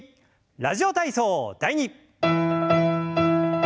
「ラジオ体操第２」。